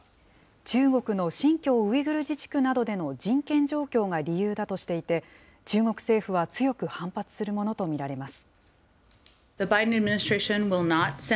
中国の新疆ウイグル自治区などでの人権状況が理由だとしていて、中国政府は強く反発するものと見られます。